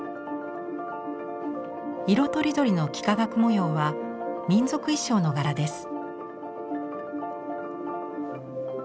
色とりどりの幾何学模様は民族衣装の柄です。